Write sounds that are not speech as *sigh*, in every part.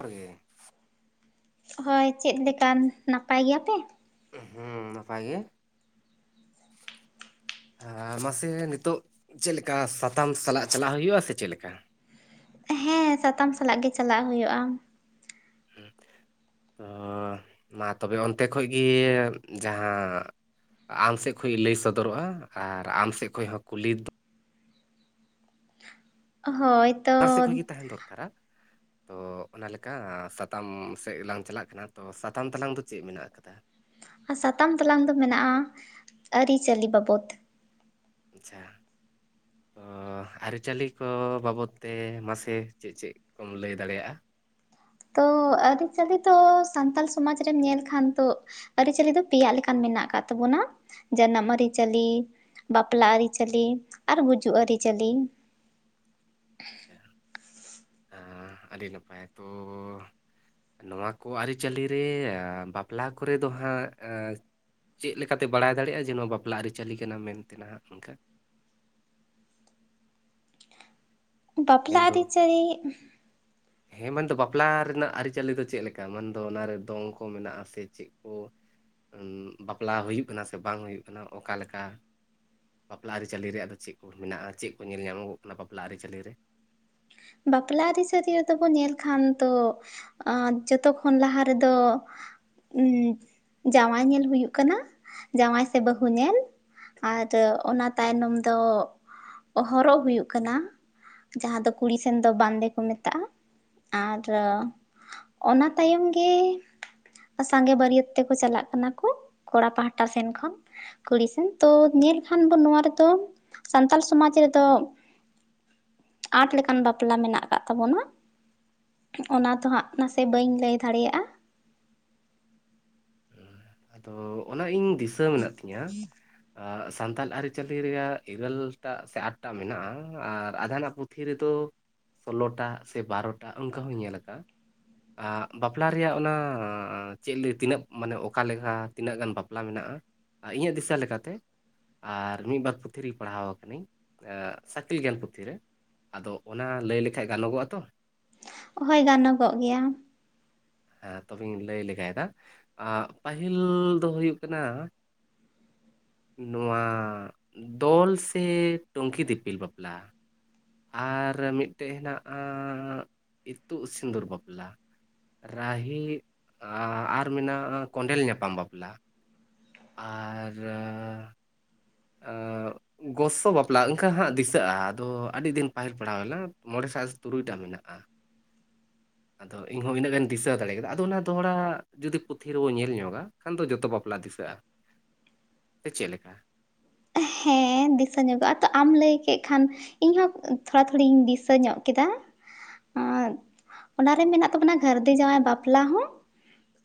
ᱟᱜᱮ ᱦᱳᱭ ᱪᱮᱫ ᱞᱮᱠᱟᱱ ᱱᱟᱯᱟᱭ ᱜᱮᱭᱟᱯᱮ? ᱦᱩᱸ ᱱᱟᱯᱟᱭ ᱜᱮ? *inaudible* ᱢᱟᱥᱮ ᱱᱤᱛᱚᱜ ᱪᱮᱫ ᱞᱮᱠᱟ ᱥᱟᱛᱟᱢ ᱥᱟᱞᱟᱜ ᱪᱟᱞᱟᱜ ᱦᱩᱭᱩᱜᱼᱟ?, ᱥᱮ ᱪᱮᱫ ᱞᱮᱠᱟ? ᱦᱮᱸ ᱥᱟᱛᱟᱢ ᱥᱟᱞᱟᱜ ᱜᱮ ᱪᱟᱞᱟᱜ ᱦᱩᱭᱩᱜᱼᱟ? ᱦᱚᱸ ᱢᱟ ᱛᱚᱵᱮ ᱚᱱᱛᱮ ᱠᱷᱚᱡ ᱜᱮ ᱡᱟᱦᱟᱸ ᱟᱢ ᱥᱮᱫ ᱠᱷᱚᱱ ᱞᱟᱹᱭ ᱥᱚᱫᱚᱨᱚᱜᱼᱟ, ᱟᱨ ᱟᱢ ᱥᱮᱫ ᱠᱷᱚᱱ ᱦᱚᱸ ᱠᱩᱞᱤ ᱫᱚ᱾ ᱦᱳᱭ, ᱛᱚ ᱵᱟᱨ ᱥᱮᱡ ᱠᱷᱚᱱ ᱜᱮ ᱛᱟᱦᱳᱸᱱ ᱫᱚᱨᱠᱟᱨᱟ᱾ ᱛᱚ ᱚᱱᱟ ᱞᱮᱠᱟ ᱥᱟᱛᱟᱢ ᱥᱮᱫ ᱜᱮᱞᱟᱝ ᱪᱟᱞᱟᱜ ᱠᱟᱱᱟ ᱛᱚ ᱥᱟᱛᱟᱢ ᱛᱟᱞᱟᱝ ᱫᱚ ᱪᱮᱫ ᱢᱮᱱᱟᱜ ᱟᱠᱟᱫᱟ? ᱟᱨ ᱥᱟᱛᱟᱢ ᱛᱟᱞᱟᱝ ᱫᱚ ᱢᱮᱱᱟᱜᱼᱟ, ᱟᱹᱨᱤᱪᱟᱹᱞᱤ ᱵᱟᱵᱚᱫ, ᱟᱪᱪᱷᱟ, ᱛᱚ ᱟᱹᱨᱤᱪᱟᱹᱞᱤ ᱠᱚ ᱵᱟᱵᱚᱫ ᱛᱮ ᱢᱟᱥᱮ ᱪᱮᱫ ᱪᱮᱫ ᱠᱚᱢ ᱞᱟᱹᱭ ᱫᱟᱲᱮᱭᱟᱜᱼᱟ? ᱛᱚ ᱟᱹᱨᱤᱪᱟᱹᱞᱤ ᱫᱚ ᱥᱟᱱᱛᱟᱲ ᱥᱚᱢᱟᱡᱽ ᱨᱮᱢ ᱧᱮᱞ ᱠᱷᱟᱱ ᱛᱚ ᱟᱹᱨᱤᱪᱟᱹᱞᱤ ᱫᱚ ᱯᱮᱭᱟᱜ ᱞᱮᱠᱟᱱ ᱢᱮᱱᱟᱜ ᱟᱠᱟᱜ ᱛᱟᱵᱚᱱᱟ ᱡᱟᱱᱟᱢ ᱟᱹᱨᱤᱪᱟᱹᱞᱤ, ᱵᱟᱯᱞᱟ ᱟᱹᱨᱤᱪᱟᱹᱞᱤ, ᱟᱨ ᱜᱩᱡᱩᱜ ᱟᱹᱨᱤᱪᱟᱹᱞᱤ ᱾ *inaudible* ᱟᱸ ᱟᱹᱰᱤ ᱱᱟᱯᱟᱭ ᱛᱳ ᱱᱚᱣᱟ ᱠᱚ ᱟᱹᱨᱤᱪᱟᱹᱤ ᱨᱮ ᱵᱟᱯᱞᱟ ᱠᱚᱨᱮ ᱫᱚ ᱦᱟᱸᱜ ᱮᱸ ᱪᱮᱫ ᱞᱮᱠᱟᱛᱮ ᱵᱟᱲᱟᱭ ᱫᱟᱲᱮᱭᱟᱜᱼᱟ, ᱡᱮ ᱱᱚᱣᱟ ᱵᱟᱯᱞᱟ ᱟᱹᱨᱤᱪᱟᱹᱞᱤ ᱠᱟᱱᱟ ᱢᱮᱱᱛᱮ ᱱᱟᱦᱟᱜ ᱚᱱᱠᱟ ᱾ ᱵᱟᱯᱞᱟ ᱢᱮᱱᱫᱚ ᱟᱹᱨᱤᱪᱟᱹᱨᱤ ᱦᱮᱸ ᱢᱮᱱᱫᱚ ᱵᱟᱯᱞᱟ ᱨᱮᱱᱟᱜ ᱟᱹᱨᱤᱪᱟᱹᱞᱤ ᱫᱚ ᱪᱮᱫ ᱞᱮᱠᱟ? ᱢᱮᱱᱫᱚ ᱚᱱᱟᱨᱮ ᱫᱚᱝ ᱠᱚ ᱢᱮᱱᱟᱜ ᱟᱥᱮ ᱪᱮᱫ ᱠᱚ? ᱵᱟᱯᱞᱟ ᱦᱩᱭᱩᱜ ᱠᱟᱱᱟ ᱥᱮ ᱵᱟᱝ ᱦᱩᱭᱩᱜ ᱠᱟᱱᱟ ᱚᱠᱟᱞᱮᱠᱟ? ᱵᱟᱯᱞᱟ ᱟᱹᱨᱤᱪᱟᱹᱞᱤ ᱨᱮ ᱟᱫᱚ ᱪᱮᱜ ᱠᱚ ᱢᱮᱱᱟᱜᱼᱟ ᱪᱮᱜ ᱠᱚ ᱧᱮᱞ ᱧᱟᱢᱚᱜᱚᱜ ᱠᱟᱱᱟ ᱵᱟᱯᱞᱟ ᱟᱹᱨᱤᱪᱟᱹᱞᱤ ᱨᱮ? ᱵᱟᱯᱞᱟ ᱟᱹᱨᱤᱪᱟᱹᱞᱤ ᱨᱮᱫᱚ ᱵᱚᱱ ᱧᱮᱞ ᱠᱷᱟᱱ ᱛᱚ ᱟᱨ ᱡᱚᱛᱚ ᱠᱦᱚᱱ ᱞᱟᱦᱟ ᱨᱮᱫᱚ ᱩ ᱡᱟᱶᱟᱭ ᱧᱮᱞ ᱦᱩᱭᱩᱜ ᱠᱟᱱᱟ ᱡᱟᱶᱟᱭ ᱥᱮ ᱵᱟᱹᱦᱩ ᱧᱮᱞ, ᱟᱨ ᱚᱱᱟ ᱛᱟᱭᱱᱚᱢ ᱫᱚ ᱦᱚᱨᱚᱜ ᱦᱩᱭᱩᱜ ᱠᱟᱱᱟ ᱡᱟᱦᱟᱸ ᱫᱚ ᱠᱩᱞᱤ ᱥᱮᱱ ᱫᱚ ᱵᱟᱱᱫᱮ ᱠᱚ ᱢᱮᱛᱟᱜᱼᱟ ᱟᱨ ᱚᱱᱟ ᱛᱟᱭᱚᱢ ᱜᱮ ᱥᱟᱸᱜᱮ ᱵᱟᱹᱨᱭᱟᱹᱛ ᱛᱮᱠᱚ ᱪᱟᱞᱟᱜ ᱠᱟᱱᱟ ᱠᱚ ᱠᱚᱲᱟ ᱯᱟᱦᱴᱟ ᱥᱮᱱ ᱠᱷᱚᱱ ᱠᱩᱲᱤ ᱥᱮᱱ ᱛᱳ ᱧᱮᱞ ᱠᱷᱟᱱ ᱵᱚᱱ ᱱᱚᱣᱟ ᱨᱮᱫᱚ ᱥᱟᱱᱛᱟᱞ ᱥᱚᱢᱟᱡᱽ ᱨᱮᱫᱚ ᱟᱴ ᱞᱮᱠᱟ, ᱜᱟᱱ ᱵᱟᱯᱞᱟ ᱢᱮᱱᱟᱜ ᱟᱠᱟᱜ ᱛᱟᱵᱚᱱᱟ ᱚᱱᱟ ᱫᱚ ᱦᱟᱸᱜ ᱱᱟᱥᱮ ᱵᱟᱹᱧ ᱞᱟᱹᱭ ᱫᱟᱲᱮᱭᱟᱜᱼᱟ᱾ ᱟᱫᱚ ᱚᱱᱟ ᱤᱧ ᱫᱤᱥᱟᱹ ᱢᱮᱱᱟᱜ ᱛᱤᱧᱟ ᱟᱥ ᱥᱟᱱᱛᱟᱞ ᱟᱹᱨᱤᱪᱟᱹᱞᱤ ᱨᱮᱭᱟᱜ ᱤᱨᱟᱹᱞ ᱴᱟᱜ ᱥᱮ ᱟᱴ ᱴᱟᱜ ᱢᱮᱱᱟᱜᱼᱟ, ᱟᱨ ᱟᱫᱦᱟᱱᱟᱜ ᱯᱩᱛᱷᱤ ᱨᱮᱫᱚ ᱥᱳᱞᱳᱚ ᱴᱟᱜ ᱥᱮ ᱵᱟᱨᱚ ᱴᱟᱜ ᱚᱱᱠᱟ ᱦᱚᱸᱧ ᱧᱮᱞ ᱟᱠᱟᱫ-ᱟ ᱾ ᱟ ᱵᱟᱯᱞᱟ ᱨᱮᱭᱟᱜ ᱚᱱᱟ ᱪᱮᱜ ᱞᱟᱹᱭ ᱛᱤᱱᱟᱹᱜ ᱢᱟᱱᱮ ᱚᱠᱟ ᱞᱮᱠᱟ ᱛᱤᱱᱟᱹᱜ ᱜᱟᱱ ᱵᱟᱯᱞᱟ ᱢᱮᱱᱟᱜᱼᱟ ᱤᱧᱟᱹᱜ ᱫᱤᱥᱟᱹ ᱞᱮᱠᱟᱛᱮ ᱟᱨ ᱢᱤᱫ ᱵᱟᱨ ᱯᱩᱛᱷᱤ ᱨᱮᱜᱮ ᱯᱟᱲᱦᱟᱣ ᱠᱟᱱᱤᱧ ᱮ ᱥᱮ ᱟᱠᱤᱞ ᱜᱮᱭᱟᱱ ᱯᱩᱛᱷᱤᱨᱮ᱾ ᱟᱫᱚ ᱚᱱᱟ ᱞᱟᱹᱭ ᱞᱮᱠᱷᱟᱡ ᱜᱟᱱᱚᱜᱚᱜᱼᱟ ᱛᱚ? ᱦᱳᱭ ᱜᱟᱱᱚᱜᱚᱜ ᱜᱮᱭᱟ᱾ ᱦᱮ ᱛᱚᱵᱮᱧ ᱞᱟᱹᱭ ᱞᱮᱜᱟᱭᱫᱟ᱾ ᱟᱸᱜ ᱯᱟᱹᱦᱤᱞ ᱫᱚ ᱦᱩᱭᱩᱜ ᱠᱟᱱᱟ ᱱᱚᱣᱟ ᱫᱚᱞ ᱥᱮ ᱴᱩᱝᱠᱤ ᱫᱤᱯᱤᱞ ᱵᱟᱯᱞᱟ ᱟᱨ ᱢᱤᱫᱴᱮᱡ ᱦᱮᱱᱟᱜᱼᱟ ᱤᱛᱩᱫ ᱥᱤᱸᱫᱩᱨ ᱵᱟᱯᱞᱟ᱾ ᱨᱟᱦᱤ ᱟ ᱟᱨ ᱢᱮᱱᱟᱜᱼᱟ ᱠᱚᱸᱰᱮᱞ ᱧᱟᱯᱟᱢ ᱵᱟᱯᱞᱟ᱾ ᱟᱨ ᱨᱟ ᱟᱸᱜ ᱜᱚᱥᱚ ᱵᱟᱯᱞᱟ ᱮᱝᱠᱟ ᱦᱟᱸᱜ ᱫᱤᱥᱟᱹᱜᱼᱟ ᱟᱫᱚ ᱟᱹᱰᱤ ᱫᱤᱱ ᱛᱟᱦᱮᱱ ᱯᱟᱲᱦᱟᱣ ᱦᱩᱭ ᱞᱮᱱᱟ ᱢᱚᱬᱮ ᱥᱟᱜ ᱥᱮ ᱛᱩᱨᱩᱭ ᱴᱟ ᱢᱮᱱᱟᱜᱼᱟ᱾ *inaudible* ᱟᱫᱚ ᱤᱧᱦᱚᱸ ᱤᱱᱟᱹᱜ ᱜᱮᱱᱤᱧ ᱫᱤᱥᱟᱹ ᱫᱟᱲᱮ ᱠᱟᱫᱟ ᱟᱫᱚ ᱚᱱᱟ ᱫᱚᱦᱲᱟ ᱡᱩᱫᱤ ᱯᱩᱛᱷᱤ ᱨᱮᱵᱚ ᱧᱮᱞ ᱧᱚᱜᱟ ᱮᱠᱷᱟᱱ ᱫᱚ ᱡᱚᱛᱚ ᱵᱟᱯᱞᱟ ᱫᱤᱥᱟᱹᱜᱼᱟ᱾ *inaudible* ᱥᱮ ᱪᱮᱫ ᱞᱮᱠᱟ? ᱦᱮᱸ ᱫᱤᱥᱟᱹ ᱧᱚᱜᱚᱜᱼᱟ ᱛᱚ ᱟᱢ ᱞᱮᱭ ᱠᱮᱜ ᱠᱷᱟᱱ ᱤᱧᱦᱚᱸ ᱛᱷᱚᱲᱟ ᱛᱷᱩᱲᱤᱧ ᱫᱤᱥᱟᱹ ᱧᱚᱜ ᱠᱮᱫᱟ᱾ ᱟᱸ ᱚᱱᱟᱨᱮ ᱢᱮᱱᱟᱜ ᱛᱟᱵᱚᱱᱟ ᱜᱷᱟᱹᱨᱫᱤ ᱡᱟᱶᱟᱭ ᱵᱟᱯᱞᱟ ᱦᱚᱸ᱾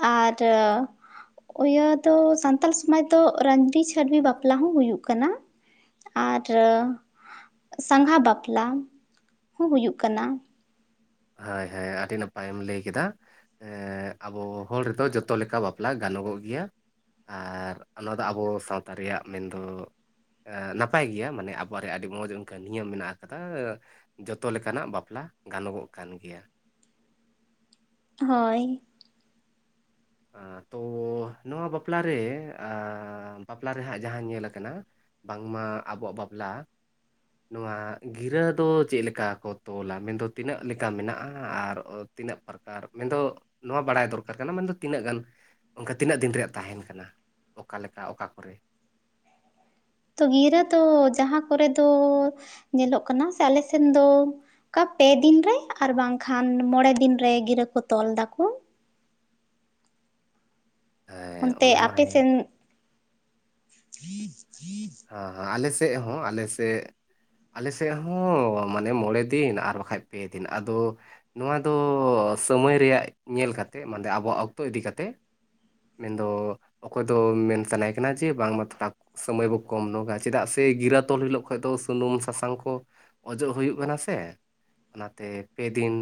ᱟᱨ ᱳᱭᱟᱹ ᱫᱚ ᱥᱟᱱᱛᱟᱞ ᱥᱚᱢᱟᱡᱽ ᱫᱚ ᱨᱟᱺᱰᱤ ᱪᱷᱟᱹᱰᱣᱤ ᱵᱟᱯᱞᱟ ᱦᱚᱸ ᱦᱩᱭᱩᱜ ᱠᱟᱱᱟ ᱟᱨ ᱥᱟᱸᱜᱷᱟ ᱵᱟᱯᱞᱟ ᱦᱚᱸ ᱦᱩᱭᱩᱜ ᱠᱟᱱᱟ᱾ ᱦᱳᱭ ᱦᱳᱭ ᱟᱹᱰᱤ ᱱᱟᱯᱟᱭᱮᱢ ᱞᱟᱹᱭ ᱠᱮᱫᱟ᱾ ᱮᱸᱜ ᱟᱵᱚ ᱦᱚᱲ ᱫᱚ ᱡᱚᱛᱚ ᱞᱮᱠᱟ ᱵᱟᱯᱞᱟ ᱜᱟᱱᱚᱜᱚᱜ ᱜᱮᱭᱟ᱾ ᱟᱨ ᱚᱱᱟ ᱫᱚ ᱟᱵᱚ ᱥᱟᱶᱛᱟ ᱨᱮᱭᱟᱜ ᱢᱮᱱᱫᱚ ᱮ ᱱᱟᱯᱟᱭ ᱜᱮᱭᱟ ᱢᱟᱱᱮ ᱟᱵᱚᱣᱟᱜ ᱨᱮ ᱟᱹᱰᱤ ᱢᱚᱡᱽ ᱚᱱᱠᱟ ᱱᱤᱭᱚᱢ ᱢᱮᱱᱟᱜ ᱟᱠᱟᱫᱟ ᱡᱚᱛᱚ ᱞᱮᱠᱟᱱᱟᱜ ᱵᱟᱯᱞᱟ ᱜᱟᱱᱚᱜᱚᱜ ᱠᱟᱱ ᱜᱮᱭᱟ᱾ ᱦᱳᱭ᱾ ᱟᱸ ᱛᱚ ᱱᱚᱣᱟ ᱵᱟᱯᱞᱟ ᱨᱮ ᱟ ᱵᱟᱯᱞᱟ ᱨᱮ ᱦᱟᱸᱜ ᱡᱟᱦᱟᱸ ᱧᱮᱞ ᱟᱠᱟᱱᱟ ᱵᱟᱝᱢᱟ ᱟᱵᱚᱣᱟᱜ ᱵᱟᱯᱞᱟ ᱱᱚᱣᱟ ᱜᱤᱨᱟᱹ ᱫᱚ ᱪᱮᱫ ᱞᱮᱠᱟ ᱠᱚ ᱛᱚᱞᱟ ᱢᱮᱱᱫᱚ ᱛᱤᱱᱟᱹᱜ ᱞᱮᱠᱟ ᱢᱮᱱᱟᱜᱼᱟ ᱟᱨ ᱛᱤᱱᱟᱹᱜ ᱯᱨᱚᱠᱟᱨ ᱢᱮᱱᱫᱚ ᱱᱚᱣᱟ ᱵᱟᱲᱟᱭ ᱫᱚᱨᱠᱟᱨ ᱠᱟᱱᱟ ᱢᱮᱱᱫᱚ ᱛᱤᱱᱟᱹᱜ ᱜᱟᱱ ᱚᱱᱠᱟ ᱛᱤᱱᱟᱹᱜ ᱫᱤᱱ ᱨᱮᱭᱟᱜ ᱛᱟᱦᱮᱱ ᱠᱟᱱᱟ ᱚᱠᱟ ᱞᱮᱠᱟ ᱚᱠᱟ ᱠᱚᱨᱮ? ᱛᱚ ᱜᱤᱨᱟᱹ ᱫᱚ ᱡᱟᱦᱟᱸ ᱠᱚᱨᱮ ᱫᱚ ᱧᱮᱞᱚᱜ ᱠᱟᱱᱟ ᱥᱮ ᱟᱞᱮ ᱥᱮᱱ ᱫᱚ ᱠᱟ ᱯᱮ ᱫᱤᱱ ᱨᱮ ᱟᱨ ᱵᱟᱝᱠᱷᱟᱱ ᱢᱚᱬᱮ ᱫᱤᱱ ᱨᱮ ᱜᱤᱨᱟᱹ ᱠᱚ ᱛᱚᱞ ᱫᱟᱠᱚ᱾ ᱦᱮᱸ ᱚᱱᱛᱮ ᱚᱱᱟ ᱢᱟ ᱟᱯᱮ ᱦᱮᱸ ᱥᱮᱱ ᱦᱟᱸ ᱦᱟᱸ ᱟᱞᱮ ᱥᱮᱫ ᱦᱚᱸ ᱟᱞᱮ ᱥᱮᱫ ᱟᱞᱮ ᱥᱮᱫ ᱦᱚᱸ ᱢᱟᱱᱮ ᱢᱚᱬᱮ ᱫᱤᱱ ᱟᱨ ᱵᱟᱠᱷᱟᱡ ᱯᱮ ᱫᱤᱱ ᱟᱫᱚ ᱱᱚᱣᱟ ᱫᱚ ᱥᱚᱢᱚᱭ ᱨᱮᱭᱟᱜ ᱧᱮᱞ ᱠᱟᱛᱮᱜ ᱢᱟᱫᱮ ᱟᱵᱚᱣᱟᱜ ᱚᱠᱛᱚ ᱤᱫᱤ ᱠᱟᱛᱮᱫ᱾ ᱢᱮᱱ ᱫᱚ ᱚᱠᱚᱭ ᱫᱚ ᱢᱮᱱ ᱥᱟᱱᱟᱭᱮ ᱠᱟᱱᱟ ᱡᱮ ᱵᱟᱝ ᱢᱟ ᱛᱷᱚᱲᱟ ᱥᱚᱢᱚᱭ ᱵᱟᱠᱚ ᱠᱚᱢ ᱱᱚᱜᱟ ᱪᱮᱫᱟᱜ ᱥᱮ ᱜᱤᱨᱟᱹ ᱛᱚᱞ ᱦᱤᱞᱳᱜ ᱠᱷᱚᱡ ᱫᱚ ᱥᱩᱱᱩᱢ ᱥᱟᱥᱟᱝ ᱠᱚ ᱚᱡᱚᱜ ᱦᱩᱭᱩᱜ ᱠᱟᱱᱟ ᱥᱮ᱾ ᱚᱱᱟᱛᱮ ᱯᱮ ᱫᱤᱱ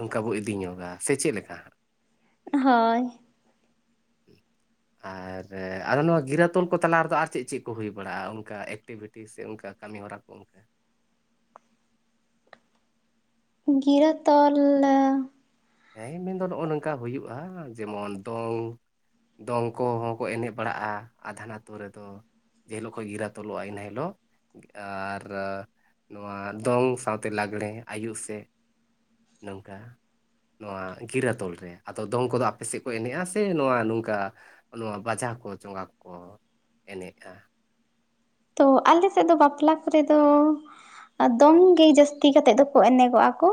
ᱚᱱᱠᱟ ᱵᱚ ᱤᱫᱤ ᱧᱚᱜᱟ, ᱥᱮ ᱪᱮᱫ ᱞᱮᱠᱟ ᱦᱟᱸᱜ? ᱦᱳᱭ᱾ ᱟᱨ ᱟᱫᱚ ᱱᱚᱣᱟ ᱜᱤᱨᱟᱹ ᱛᱚᱞ ᱠᱚ ᱛᱟᱞᱟ ᱨᱮᱫᱚ ᱟᱨ ᱪᱮᱫ ᱪᱮᱫ ᱠᱚ ᱦᱩᱭ ᱵᱟᱲᱟᱜ-ᱟ ᱚᱱᱠᱟ ᱮᱠᱴᱤᱵᱷᱤᱴᱤ ᱥᱮ ᱚᱱᱠᱟ ᱠᱟᱢᱤ ᱦᱚᱨᱟ ᱠᱚ ᱚᱱᱠᱟ? ᱜᱤᱨᱟᱹ ᱛᱚᱞ ᱮ ᱦᱮᱸ ᱤᱧ ᱢᱮᱱᱫᱚ ᱱᱚᱜ-ᱚ ᱱᱚᱝᱠᱟ ᱦᱩᱭᱩᱜ-ᱟ ᱡᱮᱢᱚᱱ ᱫᱚᱝ, ᱫᱚᱝ ᱠᱚᱦᱚᱸ ᱠᱚ ᱮᱱᱮᱡ ᱵᱟᱲᱟᱜ-ᱟ ᱟᱫᱷᱟᱱ ᱟᱛᱩ ᱨᱮᱫᱚ᱾ ᱡᱮ ᱦᱤᱞᱳᱜ ᱠᱷᱚᱡ ᱜᱤᱨᱟ ᱛᱚᱞᱚᱜ-ᱟ ᱮᱱ ᱦᱤᱞᱳᱜ᱾ ᱟᱨ ᱱᱚᱣᱟ ᱫᱚᱝ ᱥᱟᱶᱛᱮ ᱞᱟᱜᱽᱬᱮ ᱟᱭᱩᱵ ᱥᱮᱫ᱾ ᱱᱚᱝᱠᱟ᱾ ᱱᱚᱣᱟ ᱜᱤᱨᱟᱹ ᱛᱚᱞ ᱨᱮ ᱟᱫᱚ ᱫᱚᱝ ᱠᱚᱫᱚ ᱟᱯᱮ ᱥᱮᱫ ᱠᱚ ᱮᱱᱮᱡᱼᱟ ᱥᱮ ᱱᱚᱣᱟ ᱱᱚᱝᱠᱟ ᱟ ᱱᱚᱣᱟ ᱵᱟᱡᱟ ᱠᱚ ᱪᱚᱸᱜᱟ ᱠᱚᱠᱚ ᱮᱱᱮᱡᱼᱟ᱾ ᱛᱚ ᱟᱞᱮ ᱥᱮᱫ ᱫᱚ ᱵᱟᱯᱞᱟ ᱠᱚᱨᱮ ᱫᱚ ᱮ ᱫᱚᱝ ᱜᱮ ᱡᱟᱹᱥᱛᱤ ᱠᱟᱛᱮᱜ ᱫᱚᱠᱚ ᱮᱱᱮᱜᱚ-ᱟ ᱠᱚ᱾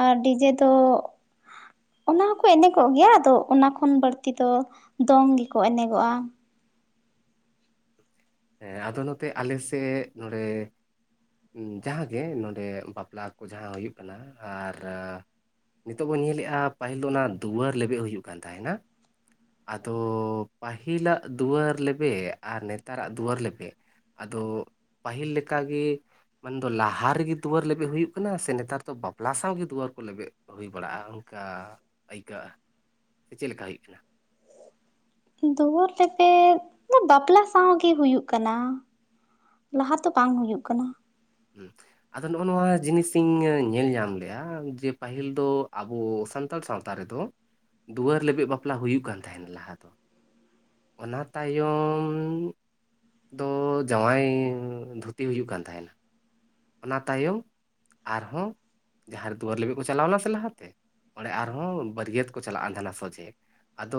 ᱟᱨ ᱰᱤ ᱡᱮ ᱫᱚ ᱚᱱᱟ ᱦᱚᱸ ᱠᱚ ᱮᱱᱮᱜᱚᱜ ᱜᱮᱭᱟ ᱟᱫᱚ ᱚᱱᱟ ᱠᱷᱚᱱ ᱵᱟᱹᱲᱛᱤ ᱫᱚ ᱫᱚᱝ ᱜᱮᱠᱚ ᱮᱱᱮᱜᱚᱜ-ᱟ᱾ ᱦᱮᱸ ᱟᱫᱚ ᱱᱚᱛᱮ ᱟᱞᱮ ᱥᱮᱫ ᱱᱚᱰᱮ ᱩᱸ ᱡᱟᱦᱟᱸ ᱜᱮ ᱱᱚᱸᱰᱮ ᱵᱟᱯᱞᱟ ᱠᱚ ᱡᱟᱦᱟᱸ ᱦᱩᱭᱩᱜ ᱠᱟᱱᱟ ᱟᱨ ᱱᱤᱛᱚᱜ ᱵᱚᱱ ᱧᱮᱞᱮᱜ-ᱟ ᱯᱟᱹᱦᱤᱞ ᱫᱚ ᱚᱱᱟ ᱫᱩᱣᱟᱹᱨ ᱞᱮᱵᱮᱜ ᱦᱩᱭᱩᱜ ᱠᱟᱱ ᱛᱟᱦᱮᱱᱟ᱾ ᱟᱫᱚ ᱯᱟᱦᱤᱞᱟᱜ ᱫᱩᱣᱟᱹᱨ ᱞᱮᱵᱮᱜ ᱟᱨ ᱱᱮᱛᱟᱨᱟᱜ ᱫᱩᱣᱟᱹᱨ ᱞᱮᱵᱮᱜ ᱟᱫᱚ ᱯᱟᱦᱤᱞ ᱞᱮᱠᱟ ᱜᱮ ᱢᱮᱱ ᱫᱚ ᱞᱟᱦᱟ ᱨᱮᱜᱮ ᱫᱩᱣᱟᱹᱨ ᱞᱮᱵᱮᱜ ᱦᱩᱭᱩᱜ ᱠᱟᱱᱟ ᱥᱮ ᱱᱮᱛᱟᱨ ᱫᱚ ᱵᱟᱯᱞᱟ ᱥᱟᱶ ᱜᱮ ᱫᱩᱣᱟᱹᱨ ᱠᱚ ᱞᱮᱵᱮᱜ ᱦᱩᱭ ᱵᱟᱲᱟᱜ-ᱟ ᱚᱱᱠᱟ ᱟᱹᱭᱠᱟᱹᱜ-ᱟ, ᱥᱮ ᱪᱮᱫ ᱞᱮᱠᱟ ᱦᱩᱭᱩᱜ ᱠᱟᱱᱟ? ᱫᱩᱣᱟᱹᱨ ᱞᱮᱵᱮᱜ ᱫᱚ ᱵᱟᱯᱞᱟ ᱥᱟᱶ ᱜᱮ ᱦᱩᱭᱩᱜ ᱠᱟᱱᱟ᱾ ᱞᱟᱦᱟ ᱛᱚ ᱵᱟᱝ ᱦᱩᱭᱩᱜ ᱠᱟᱱᱟ᱾ ᱦᱩᱸ᱾ ᱟᱫᱚ ᱱᱚᱜ-ᱚ ᱱᱚᱣᱟ ᱡᱤᱱᱤᱥ ᱤᱧ ᱧᱮᱞ ᱧᱟᱢ ᱞᱮᱜ-ᱟ ᱡᱮ ᱯᱟᱦᱤᱞ ᱫᱚ ᱟᱵᱚ ᱥᱟᱱ ᱛᱟᱲ ᱥᱟᱶᱛᱟ ᱨᱮᱫᱚ, ᱫᱩᱣᱟᱹᱨ ᱞᱮᱵᱮᱜ ᱵᱟᱯᱞᱟ ᱦᱩᱭᱩᱜ ᱠᱟᱱ ᱛᱟᱦᱮᱱᱟ ᱞᱟᱦᱟ ᱫᱚ᱾ ᱚᱱᱟ ᱛᱟᱭᱚᱢ ᱫᱚ ᱡᱟᱶᱟᱭ ᱫᱷᱩᱛᱤ ᱦᱩᱭᱩᱜ ᱠᱟᱱ ᱛᱟᱦᱮᱱᱟ᱾ ᱚᱱᱟ ᱛᱟᱭᱚᱢ ᱟᱨᱦᱚᱸ ᱡᱟᱦᱟᱸ ᱨᱮ ᱫᱩᱣᱟᱹᱨ ᱞᱮᱵᱮᱜ ᱠᱚ ᱪᱟᱞᱟᱣ ᱮᱱᱟ ᱥᱮ ᱞᱟᱦᱟ ᱛᱮ ᱚᱸᱲᱮ ᱟᱨᱦᱚᱸ ᱵᱟᱹᱨᱭᱟᱹᱛ ᱠᱚ ᱪᱟᱞᱟᱜ-ᱟᱱ ᱛᱟᱦᱮᱱᱟ ᱥᱚᱡᱷᱮ᱾ ᱟᱫᱚ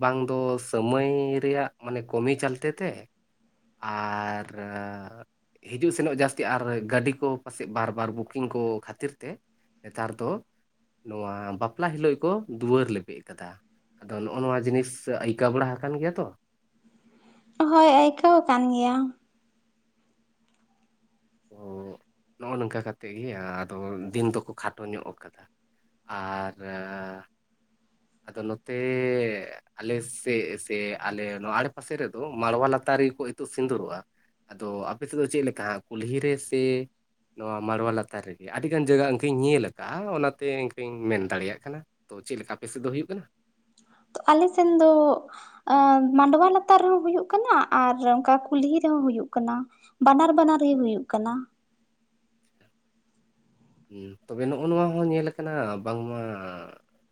ᱵᱟᱝ ᱫᱚ ᱥᱟᱹᱢᱟᱹᱭ ᱨᱮᱭᱟᱜ ᱢᱟᱱᱮ ᱠᱚᱢᱤ ᱪᱟᱞᱛᱮ ᱛᱮ ᱟᱨ ᱦᱤᱡᱩᱜ ᱥᱮᱱᱚᱜ ᱡᱟᱥᱛᱤ ᱟᱨ ᱜᱟᱹᱰᱤ ᱠᱚ ᱯᱟᱥᱮᱡ ᱵᱟᱨ ᱵᱟᱨ ᱵᱩᱠᱤᱝ ᱠᱚ ᱠᱷᱟᱛᱤᱨ ᱛᱮ ᱱᱮᱛᱟᱨ ᱫᱚ ᱱᱚᱣᱟ ᱵᱟᱯᱞᱟ ᱦᱤᱞᱟᱹᱜ ᱜᱮᱠᱚ ᱫᱩᱣᱟᱹᱨ ᱞᱮᱵᱮᱜ ᱟᱠᱟᱫᱟ᱾ ᱟᱫᱚ ᱱᱚᱜ-ᱚ ᱱᱚᱣᱟ ᱡᱤᱱᱤᱥ ᱟᱹᱭᱠᱟᱹ ᱵᱟᱲᱟ ᱦᱟᱠᱟᱱ ᱜᱮᱭᱟ ᱛᱚ᱾ ᱦᱳᱭ ᱟᱹᱭᱠᱟᱹᱣ ᱟᱠᱟᱱ ᱜᱮᱭᱟ᱾ ᱩᱸᱜ ᱱᱚᱜ-ᱚ ᱱᱚᱝᱠᱟ ᱠᱟ ᱠᱟᱛᱮᱜ ᱜᱮ ᱟᱫᱚ ᱫᱤᱱ ᱫᱚᱠᱚ ᱠᱷᱟᱴᱚ ᱧᱚᱜ ᱟᱠᱟᱫᱟ᱾ ᱟᱨ ᱨᱟ *inaudible* ᱟᱫᱚ ᱱᱚᱛᱮ ᱟᱞᱮ ᱥᱮᱫ ᱥᱮ ᱟᱞᱮ ᱱᱚᱣᱟ ᱟᱲᱰᱮ ᱯᱟᱥᱮ ᱨᱮᱫᱚ ᱢᱟᱲᱣᱟ ᱞᱟᱛᱟᱨ ᱨᱮ ᱜᱮᱠᱚ ᱤ ᱛᱩᱫ ᱥᱤᱸᱫᱩᱨᱚᱜ-ᱟ ᱟᱫᱚ ᱟᱯᱮ ᱥᱮᱫ ᱫᱚ ᱪᱮᱫ ᱞᱮᱠᱟ ᱠᱩᱞᱦᱤ ᱨᱮ ᱥᱮ ᱱᱚᱣᱟ ᱢᱟᱲᱣᱟ ᱞᱟᱛᱟᱨ ᱨᱮᱜᱮ, ᱟᱹᱰᱤ ᱜᱟᱱ ᱡᱟᱭᱜᱟ ᱤᱱᱠᱟᱧ ᱧᱮᱞ ᱟᱠᱟᱫ-ᱟ ᱚᱱᱟᱛᱮ ᱤᱱᱠᱟᱹᱧ ᱢᱮᱱ ᱫᱟᱲᱮᱭᱟᱜ ᱠᱟᱱᱟ᱾ ᱛᱚ ᱪᱮᱫ ᱞᱮᱠᱟ ᱟᱯᱮᱥᱮᱫ ᱫᱚ ᱦᱩᱭᱩᱜ ᱠᱟᱱᱟ? ᱛᱚ ᱟᱞᱮ ᱥᱮᱱ ᱫᱚ ᱟᱸ ᱢᱟᱰᱣᱟ ᱞᱟᱛᱟᱨ ᱨᱮᱦᱚᱸ ᱦᱩᱭᱩᱜ ᱠᱟᱱᱟ ᱟᱨ ᱚᱱᱠᱟ ᱠᱩᱞᱦᱤ ᱨᱮᱦᱚᱸ ᱦᱩᱭᱩᱜ ᱠᱟᱱᱟ᱾ ᱵᱟᱱᱟᱨ ᱵᱟᱱᱟᱨ ᱜᱮ ᱦᱩᱭᱩᱜ ᱠᱟᱱᱟ᱾ ᱦᱩᱸ ᱛᱚᱵᱮ ᱱᱚᱜ-ᱚ ᱱᱚᱣᱟ ᱦᱚᱸ ᱧᱮᱞ ᱟᱠᱟᱱᱟ ᱵᱟᱝ ᱢᱟ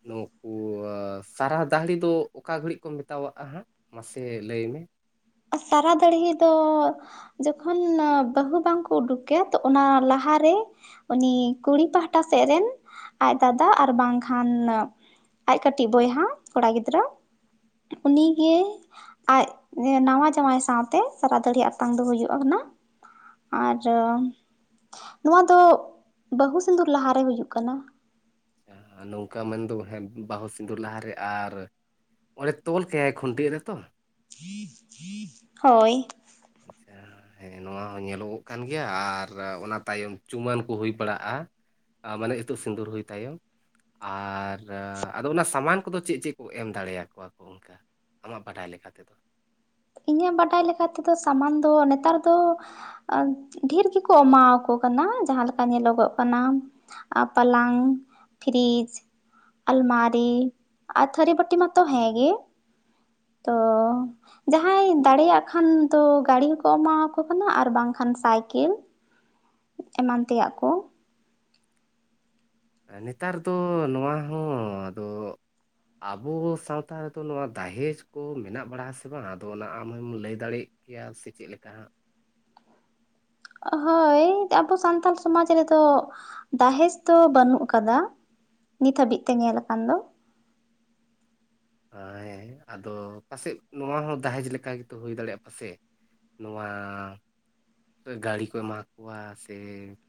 ᱱᱩᱠᱩ ᱥᱟᱨᱟ ᱫᱟᱦᱲᱤ ᱫᱚ ᱚᱠᱟ ᱜᱷᱟᱹᱲᱤᱡ ᱠᱚ ᱢᱮᱛᱟᱣᱟᱜ-ᱟ ᱦᱟᱸᱜ? ᱢᱟᱥᱮ ᱞᱟᱹᱭ ᱢᱮ᱾ ᱥᱟᱨᱟ ᱫᱟᱹᱲᱦᱤ ᱫᱚ ᱡᱚᱠᱷᱚᱱ ᱵᱟᱹᱦᱩ ᱵᱟᱝᱠᱚ ᱩᱰᱩᱠᱮ ᱛᱚ ᱚᱱᱟ ᱞᱟᱦᱟᱨᱮ ᱩᱱᱤ ᱠᱩᱲᱤ ᱯᱟᱦᱴᱟ ᱥᱮᱫ ᱨᱮᱱ ᱟᱡ ᱫᱟᱫᱟ ᱟᱨ ᱵᱟᱝᱠᱷᱟᱱ ᱟᱡ ᱠᱟᱹᱴᱤᱡ ᱵᱚᱭᱦᱟ ᱠᱚᱲᱟ ᱜᱤᱫᱽᱨᱟᱹ ᱩᱱᱤᱜᱮ ᱟᱡ ᱱᱟᱣᱟ ᱡᱟᱶᱟᱭ ᱥᱟᱶᱛᱮ ᱥᱟᱨᱟ ᱫᱟᱹᱲᱦᱤ ᱟᱛᱟᱝ ᱫᱚ ᱦᱩᱭᱩᱜ-ᱟ ᱦᱩᱱᱟᱹ ᱟᱨ ᱱᱚᱣᱟ ᱫᱚ ᱵᱟᱹᱦᱩ ᱥᱤᱸᱫᱩᱨ ᱞᱟᱦᱟ ᱨᱮ ᱦᱩᱭᱩᱜ ᱠᱟᱱᱟ᱾ ᱟ ᱱᱚᱝᱠᱟ ᱢᱮᱱᱫᱚ ᱦᱮᱸ ᱵᱟᱹᱦᱩ ᱥᱤᱸᱫᱩᱨ ᱞᱟᱦᱟᱨᱮ ᱟᱨ ᱚᱸᱰᱮ ᱛᱚᱞ ᱠᱟᱭᱟᱭ ᱠᱷᱩᱱᱴᱤ ᱨᱮᱛᱚ᱾ ᱦᱳᱭ᱾ ᱟᱪᱪᱷᱟ ᱦᱮᱸ ᱱᱚᱣᱟ ᱦᱚᱸ ᱧᱮᱞᱚᱜᱚᱜ ᱠᱟᱱ ᱜᱮᱭᱟ ᱟᱨ ᱚᱱᱟ ᱛᱟᱭᱚᱢ ᱪᱩᱢᱟᱹᱱ ᱠᱚ ᱦᱩᱭ ᱵᱟᱲᱟᱜ-ᱟ᱾ ᱢᱟᱱᱮ ᱤᱛᱩᱫ ᱥᱤᱸᱫᱩᱨ ᱦᱩᱭ ᱛᱟᱭᱚᱢ᱾ ᱟᱨ ᱟᱫᱚ ᱚᱱᱟ ᱥᱟᱢᱟᱱ ᱠᱚᱫᱚ ᱪᱮᱫ ᱪᱮᱫ ᱠᱚ ᱮᱢ ᱫᱟᱲᱮᱭᱴ ᱟᱠᱚᱣᱟ ᱠᱚ ᱚᱱᱠᱟ? ᱟᱢᱟᱜ ᱵᱟᱰᱟᱭ ᱞᱮᱠᱟ ᱛᱮᱫᱚ᱾ ᱤᱧᱟᱹᱜ ᱵᱟᱰᱟᱭ ᱞᱮᱠᱟ ᱛᱮᱫᱚ ᱥᱟᱢᱟᱱ ᱫᱚ ᱱᱮᱛᱟᱨ ᱫᱚ ᱟ ᱰᱷᱮᱨ ᱜᱮᱠᱚ ᱮᱢᱟᱣᱟᱠᱚ ᱠᱟᱱᱟ ᱡᱟᱦᱟᱸ ᱞᱮᱠᱟ ᱧᱮᱞᱚᱜᱚᱜ ᱠᱟᱱᱟ᱾ ᱟᱨ ᱯᱟᱞᱟᱝ, ᱯᱷᱨᱤᱡᱽ, ᱟᱞᱢᱟᱨᱤ ᱟᱨ ᱛᱷᱟᱹᱨᱤ ᱵᱟᱴᱤ ᱢᱟ ᱛᱚ ᱦᱮᱜᱮ᱾ ᱛᱚ ᱡᱟᱦᱟᱸᱭ ᱫᱟᱲᱮᱭᱟᱜ ᱠᱷᱟᱱ ᱫᱚ ᱜᱟᱲᱤ ᱦᱚᱸᱠᱚ ᱮᱢᱟᱣᱟᱠᱚ ᱠᱟᱱᱟ ᱟᱨ ᱵᱟᱝᱠᱷᱟᱱ ᱥᱟᱭᱠᱮᱞ᱾ ᱮᱢᱟᱱ ᱛᱮᱭᱟᱜ ᱠᱚ᱾ ᱦᱮᱸ ᱱᱮᱛᱟᱨ ᱫᱚ ᱱᱚᱣᱟ ᱦᱚᱸ ᱟᱫᱚ ᱟᱵᱚ ᱵᱚ ᱥᱟᱶᱛᱟ ᱨᱮᱫᱚ ᱱᱚᱣᱟ ᱫᱟᱦᱮᱡᱽ ᱠᱚ ᱢᱮᱱᱟᱜ ᱵᱟᱲᱟᱜ ᱴ-ᱟ ᱥᱮ ᱵᱟᱝ ᱟᱫᱚ ᱚᱱᱟ ᱟᱢ ᱢᱮᱢ ᱞᱟᱹᱭ ᱫᱟᱲᱮᱜ ᱠᱮᱭᱟ ᱥᱮ ᱪᱮᱫ ᱞᱮᱠᱟ ᱦᱟᱸᱜ᱾ ᱦᱳᱭ ᱟᱵᱚ ᱥᱟᱱᱛᱟᱞ ᱥᱚᱢᱟᱡᱽ ᱨᱮᱫᱚ ᱫᱟᱦᱮᱡᱽ ᱫᱚ ᱵᱟᱹᱱᱩᱜ ᱟᱠᱟᱫᱟ᱾ ᱱᱤᱛ ᱦᱟᱹᱵᱤᱡ ᱛᱮ ᱧᱮᱞ ᱟᱠᱟᱱ ᱫᱚ᱾ ᱦᱮᱸ ᱟᱫᱚ ᱯᱟᱥᱮᱡ ᱱᱚᱣᱟ ᱦᱚᱸ ᱫᱟᱦᱮᱡᱽ ᱞᱮᱠᱟ ᱜᱮᱛᱚ ᱦᱩᱭ ᱫᱟᱲᱮᱭᱟᱜ-ᱟ ᱯᱟᱥᱮᱡ? ᱱᱚᱣᱟ ᱜᱟᱹᱲᱤ ᱠᱚ ᱮᱢᱟ ᱦᱟᱠᱚᱣᱟ ᱥᱮ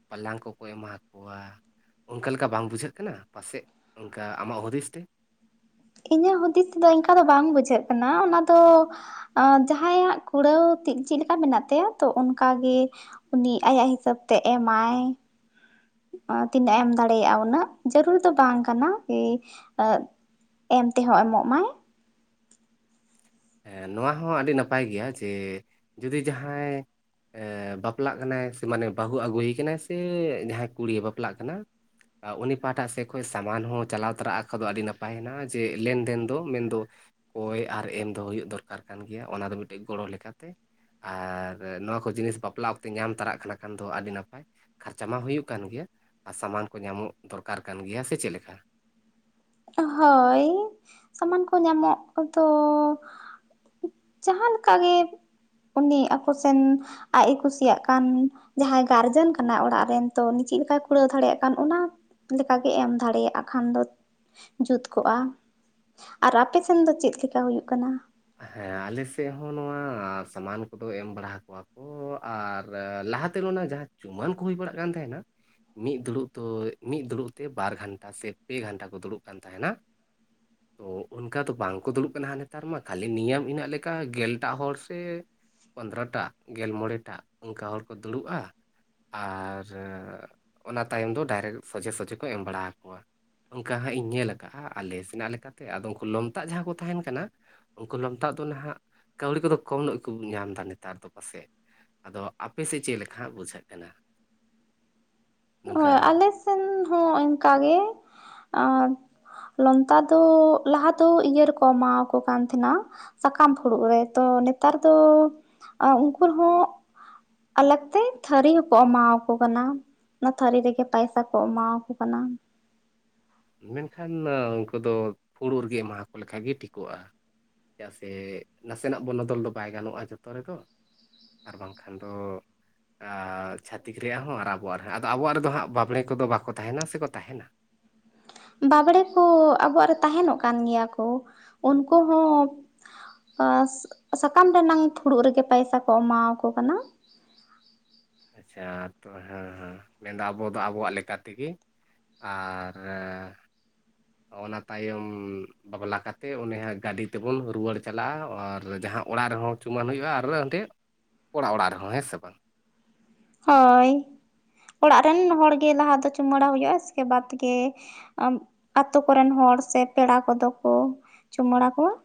ᱯᱟᱞᱟᱝ ᱠᱚᱠᱚ ᱮᱢᱟ ᱦᱟᱠᱚᱣᱟ᱾ ᱚᱱᱠᱟ ᱞᱮᱠᱟ ᱵᱟᱝ ᱵᱩᱡᱷᱟᱹᱜ ᱠᱟᱱᱟ ᱯᱟᱥᱮᱡ ᱚᱱᱠᱟ ᱟᱢᱟᱜ ᱦᱩᱫᱤᱥ ᱛᱮ? ᱤᱧᱟᱹᱜ ᱦᱩᱫᱤᱥ ᱛᱮᱫᱚ ᱤᱱᱠᱟᱹ ᱫᱚ ᱵᱟᱝ ᱵᱩᱡᱷᱟᱹᱜ ᱠᱟᱱᱟ ᱚᱱᱟᱫᱚ ᱟᱸ ᱡᱟᱦᱟᱸᱭᱟᱜ ᱠᱩᱲᱟᱹᱣ ᱛᱤᱜ ᱪᱮᱫ ᱞᱮᱠᱟ ᱢᱮᱱᱟᱜ ᱛᱟᱭᱟ ᱛᱚ ᱚᱱᱠᱟᱜᱮ ᱩᱱᱤ ᱟᱭᱟᱜ ᱦᱤᱥᱟᱹᱵᱽ ᱛᱮ ᱮᱢᱟᱭ᱾ ᱛᱤᱱᱟᱹᱜ ᱮᱢ ᱫᱟᱲᱮᱭᱟᱜ-ᱟ ᱩᱱᱟᱹᱜ ᱡᱟᱹᱨᱩᱲᱴᱨᱤ ᱫᱚ ᱵᱟᱝ ᱠᱟᱱᱟ ᱠᱤ ᱮᱸ ᱮᱢ ᱛᱮᱦᱚᱸ ᱮᱢᱚᱜ ᱢᱟᱭ᱾ ᱦᱮᱸ ᱱᱚᱣᱟ ᱦᱚᱸ ᱟᱹᱰᱤ ᱱᱟᱯᱟᱭ ᱜᱮᱭᱟ ᱡᱮ ᱡᱩᱫᱤ ᱡᱟᱦᱟᱸᱭ ᱮᱸ ᱵᱟᱯᱞᱟᱜ ᱠᱟᱱᱟᱭ ᱥᱮ ᱢᱟᱱᱮ ᱵᱟᱹᱦᱩ ᱟᱹᱜᱩᱭᱮ ᱠᱟᱱᱟᱭ ᱥᱮ ᱡᱟᱦᱟᱸᱭ ᱠᱩᱲᱤ ᱵᱟᱯᱞᱟᱜ ᱠᱟᱱᱟ ᱟ ᱩᱱᱤ ᱯᱟᱦᱴᱟ ᱥᱮᱫ ᱠᱷᱚᱱ ᱥᱟᱢᱟᱱ ᱦᱚᱸ ᱪᱟᱞᱟᱣ ᱛᱚᱨᱟᱜ ᱠᱷᱚ ᱫᱚ ᱟᱹᱰᱤ ᱱᱟᱯᱟᱭ ᱦᱮᱱᱟᱜ-ᱟ ᱡᱮ ᱞᱮᱱᱫᱮᱱ ᱫᱚ ᱢᱮᱱᱫᱚ ᱠᱚᱭ ᱟᱨ ᱮᱢ ᱫᱚ ᱦᱩᱭᱩᱜ ᱫᱚᱨᱠᱟᱨ ᱠᱟᱱ ᱜᱮᱭᱟ ᱚᱱᱟ ᱫᱚ ᱢᱤᱫᱴᱮᱡ ᱜᱚᱲᱚ ᱞᱮᱠᱟᱛᱮ᱾ ᱟᱨ ᱱᱚᱣᱟ ᱠᱚ ᱡᱤᱱᱤᱥ ᱵᱟᱯᱞᱟ ᱚᱠᱛᱮ ᱧᱟᱢ ᱛᱚᱨᱟᱜ ᱠᱟᱱᱟ ᱠᱷᱟᱱ ᱫᱚ ᱟᱹᱰᱤ ᱱᱟᱯᱟᱭ᱾ ᱠᱷᱚᱴᱟᱨᱪᱟ ᱢᱟ ᱦᱩᱭᱩᱜ ᱠᱟᱱ ᱜᱮᱭᱟ ᱟᱨ ᱥᱟᱢᱟᱱ ᱠᱚ ᱧᱟᱢᱚᱜ ᱫᱚᱨᱠᱟᱨ ᱠᱟᱱ ᱜᱮᱭᱟ, ᱥᱮ ᱪᱮᱫ ᱞᱮᱠᱟ? ᱦᱳᱭ ᱥᱟᱢᱟᱱ ᱠᱚ ᱧᱟᱢᱚᱜ ᱫᱚ ᱡᱟᱦᱟᱸ ᱞᱮᱠᱟ ᱜᱮ ᱩᱱᱤ ᱟᱠᱚ ᱥᱮᱱ ᱟᱡ ᱮ ᱠᱩᱥᱤᱭᱟᱜ ᱠᱟᱱ᱾ ᱡᱟᱦᱟᱸᱭ ᱜᱟᱨᱡᱮᱱ ᱠᱟᱱᱟᱭ ᱚᱲᱟᱜ ᱨᱮᱱ ᱛᱚ ᱩᱱᱤ ᱪᱮᱫ ᱞᱮᱠᱟᱭ ᱠᱩᱲᱟᱹᱣ ᱫᱟᱲᱮᱭᱟᱜ ᱠᱟᱱ ᱚᱱᱟ ᱞᱮᱠᱟᱜᱮ ᱮᱢ ᱫᱟᱲᱮᱭᱟᱜᱼᱟ ᱠᱷᱟᱱ ᱫᱚ᱾ ᱡᱩᱛ ᱠᱚᱜᱼᱟ᱾ ᱟᱨ ᱟᱯ ᱥᱮᱱ ᱫᱚ ᱪᱮᱫ ᱞᱮᱠᱟ ᱦᱩᱭᱩᱜ ᱠᱟᱱᱟ? ᱦᱮᱸ ᱟᱞᱮ ᱥᱮᱫ ᱦᱚᱸ ᱱᱚᱣᱟ ᱥᱟᱢᱟᱱ ᱠᱚᱫᱚ ᱮᱢ ᱵᱟᱲᱟ ᱦᱟᱠᱚᱣᱟ ᱠᱚ ᱟᱨ ᱞᱟᱦᱟ ᱛᱮᱱ ᱚᱱᱟ ᱡᱟᱦᱟᱸ ᱪᱩᱢᱟᱱ ᱠᱚ ᱦᱩᱭ ᱵᱟᱲᱟᱜ ᱠᱟᱱ ᱛᱟᱦᱮᱱᱟ ᱢᱤᱫ ᱫᱩᱲᱩᱵ ᱫᱚ ᱢᱤᱫ ᱫᱩᱲᱩᱵ ᱛᱮ ᱵᱟᱨ ᱜᱷᱟᱱᱴᱟ ᱥᱮ ᱯᱮ ᱜᱷᱟᱱᱴᱟ ᱠᱚ ᱫᱩᱲᱩᱵ ᱠᱟᱱ ᱛᱟᱦᱮᱱᱟ᱾ ᱛᱚ ᱚᱱᱠᱟ ᱫᱚ ᱵᱟᱝᱠᱚ ᱫᱩᱲᱩᱵ ᱠᱟᱱᱟ ᱦᱟᱸᱜ ᱱᱮᱛᱟᱨ ᱢᱟ᱾ ᱠᱷᱟᱹᱞᱤ ᱱᱤᱭᱚᱢ ᱤᱱᱟᱹᱜ ᱞᱮᱠᱟ ᱜᱮᱞᱴᱟᱜ ᱦᱚᱲ ᱥᱮ ᱯᱚᱱᱫᱽᱨᱚᱴᱟᱜ ᱜᱮᱞ ᱢᱚᱬᱮ ᱴᱟᱜ ᱚᱱᱠᱟ ᱦᱚᱲ ᱠᱚ ᱫᱩᱲᱩᱵᱼᱟ, ᱟᱨ ᱚᱱᱟ ᱛᱟᱭᱚᱢ ᱫᱚ ᱰᱟᱭᱨᱮᱠᱴ ᱥᱚᱡᱷᱮ ᱥᱚᱡᱷᱮ ᱠᱚ ᱮᱢ ᱵᱟᱲᱟ ᱟᱠᱚᱣᱟ᱾ ᱚᱱᱠᱟ ᱦᱟᱸᱜ ᱤᱧ ᱧᱮᱞ ᱟᱠᱟᱜᱼᱟ ᱟᱞᱮ ᱥᱮᱱᱟᱜ ᱞᱮᱠᱟᱛᱮ ᱟᱫᱚ ᱩᱱᱠᱩ ᱞᱚᱢᱛᱟᱜ ᱡᱟᱦᱟᱸ ᱠᱚ ᱛᱟᱦᱮᱱ ᱠᱟᱱᱟ ᱩᱱᱠᱩ ᱞᱚᱢᱛᱟᱜ ᱫᱚ ᱱᱟᱦᱟᱜ ᱠᱟᱹᱣᱰᱤ ᱠᱚᱫᱚ ᱠᱚᱢ ᱧᱚᱜ ᱜᱮᱠᱚ ᱧᱟᱢ ᱮᱫᱟ ᱱᱮᱛᱟᱨ ᱫᱚ ᱯᱟᱥᱮᱡ᱾ ᱟᱫᱚ ᱟᱯᱮ ᱥᱮᱫ ᱪᱮᱫ ᱞᱮᱠᱟ ᱦᱟᱸᱜ ᱵᱩᱡᱷᱟᱹᱜ ᱠᱟᱱᱟ? ᱱᱚᱝᱠᱟ ᱦᱳᱭ ᱟᱞᱮ ᱥᱮᱱ ᱦᱚᱸ ᱚᱱᱠᱟᱜᱮ ᱟ ᱞᱚᱱᱛᱟ ᱫᱚ ᱞᱟᱦᱟ ᱫᱚ ᱤᱭᱟᱹ ᱨᱮᱠᱚ ᱮᱟᱣᱟᱠᱚ ᱠᱟᱱ ᱛᱟᱦᱮᱱᱟ ᱥᱟᱠᱟᱢ ᱯᱷᱩᱲᱩᱜ ᱨᱮ ᱛᱚ ᱱᱮᱛᱟᱨ ᱫᱚ ᱩᱱᱠᱩ ᱨᱮ ᱦᱚᱸ ᱟᱞᱮ ᱛᱮ ᱛᱷᱟᱹᱨᱤ ᱦᱚᱸᱠᱚ ᱮᱢᱟᱣᱟᱠᱚ ᱠᱟᱱᱟ᱾ ᱚᱱᱟ ᱛᱷᱟᱹᱨᱤ ᱨᱮᱜᱮ ᱯᱟᱭᱥᱟ ᱠᱚ ᱮᱢᱟᱣᱟᱠᱚ ᱠᱟᱱᱟ᱾ ᱢᱮᱱᱠᱷᱟᱱ ᱩᱱᱠᱩ ᱫᱚ ᱯᱷᱩᱲᱩᱜ ᱨᱮᱜᱮ ᱮᱢᱟᱠᱚ ᱞᱮᱠᱷᱟᱡ ᱜᱮ ᱴᱷᱤᱠᱚᱜᱼᱟ᱾ ᱪᱮᱫᱟᱜ ᱥᱮ ᱱᱟᱥᱮᱱᱟᱜ ᱵᱚᱱᱚᱫᱚᱞ ᱫᱚ ᱵᱟᱭ ᱜᱟᱱᱚᱜᱼᱟ ᱡᱚᱛᱚ ᱨᱮᱫᱚ᱾ ᱟᱨ ᱵᱟᱝᱠᱷᱟᱱ ᱫᱚ ᱟ ᱪᱷᱟᱹᱛᱤᱠ ᱨᱮᱭᱟᱜ ᱨᱮᱦᱚᱸ ᱟᱨ ᱟᱵᱚᱣᱟᱜ ᱨᱮᱦᱚᱸ ᱟᱫᱚ ᱟᱵᱚᱣᱟᱜ ᱨᱮᱫᱚ ᱦᱟᱸᱜ ᱵᱟᱸᱵᱽᱲᱮ ᱠᱚᱫᱚ ᱵᱟᱠᱚ ᱛᱟᱦᱮᱱᱟ, ᱥᱮᱠᱚ ᱛᱟᱦᱮᱱᱟ? ᱵᱟᱸᱵᱽᱲᱮ ᱠᱚ ᱟᱵᱚᱣᱟᱜ ᱨᱮ ᱛᱟᱦᱮᱱᱚᱜ ᱠᱟᱱ ᱜᱮᱭᱟ ᱠᱚ, ᱩᱱᱠᱩ ᱦᱚᱸ ᱟ ᱥᱟ ᱥᱟᱠᱟᱢ ᱨᱮᱱᱟᱝ ᱯᱷᱩᱲᱩᱜ ᱨᱮᱜᱮ ᱯᱟᱭᱥᱟ ᱠᱚ ᱮᱢᱟᱣᱟᱠᱚ ᱠᱟᱱᱟ᱾ ᱟᱪᱪᱷᱟ ᱛᱚ ᱦᱮᱸ ᱦᱮᱸ ᱢᱮᱱᱫᱟ ᱟᱵᱚ ᱫᱚ ᱟᱵᱚᱣᱟᱜ ᱞᱮᱠᱟ ᱛᱮᱜᱮ᱾ ᱟᱨ ᱨᱮ ᱚᱱᱟ ᱛᱟᱭᱚᱢ ᱵᱟᱯᱞᱟ ᱠᱟᱛᱮᱫ ᱚᱱᱮ ᱜᱟᱹᱰᱤ ᱛᱮᱵᱚᱱ ᱨᱩᱣᱟᱹᱲ ᱪᱟᱞᱟᱜᱼᱟ ᱟᱨ ᱡᱟᱦᱟᱸ ᱚᱲᱟᱜ ᱨᱮᱦᱚᱸ ᱪᱩᱢᱟᱹᱱ ᱦᱩᱭᱩᱜᱼᱟ ᱟᱨ ᱦᱟᱸᱰᱮ ᱚᱲᱟᱜ ᱚᱲᱟᱜ ᱨᱮᱦᱚᱸ, ᱦᱮᱸ ᱥᱮ ᱵᱟᱝ? ᱦᱳᱭ, ᱚᱲᱟᱜ ᱨᱮᱱ ᱦᱚᱲ ᱜᱮ ᱞᱟᱦᱟ ᱫᱚ ᱪᱩᱢᱟᱹᱲᱟ ᱦᱩᱭᱩᱜᱼᱟ ᱥᱮᱭ ᱵᱟᱫᱽ ᱜᱮ ᱮᱢ ᱟᱛᱳ ᱠᱚᱨᱮᱱ ᱦᱚᱲ ᱥᱮ ᱯᱮᱲᱟ ᱠᱚᱫᱚ ᱠᱚ ᱪᱩᱢᱟᱹᱲᱟ ᱠᱚᱣᱟ᱾